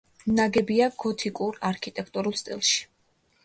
ნაგებია გოთიკურ არქიტექტურულ სტილში.